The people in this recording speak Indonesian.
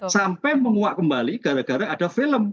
sampai menguak kembali gara gara ada film